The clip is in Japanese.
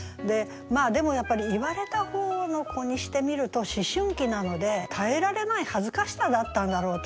でもやっぱり言われた方の子にしてみると思春期なので耐えられない恥ずかしさだったんだろうと思いますね。